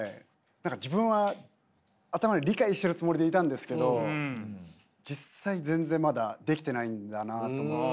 何か自分は頭で理解してるつもりでいたんですけど実際全然まだできてないんだなと思って。